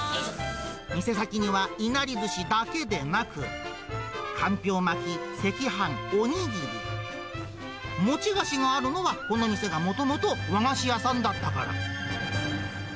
店先には、いなりずしだけでなく、かんぴょう巻き、赤飯、お握り、餅菓子があるのは、この店がもともと和菓子屋さんだったから。